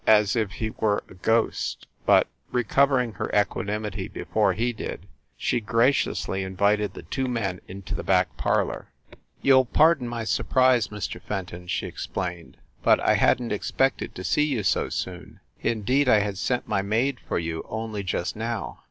as if he were a ghost but recovering her equanim ity before he did, she graciously invited the two men into the back parlor. 313 314 FIND THE WOMAN "You ll pardon my surprise, Mr. Fenton," she ex plained, "but I hadn t expected to see you so soon. Indeed, I had sent my maid for you, only just now!"